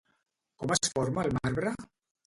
Com es forma el marbre?